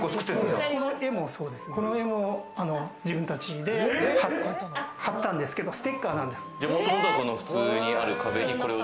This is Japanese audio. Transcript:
この絵も自分たちで貼ったんですけど、ステッカーなんです。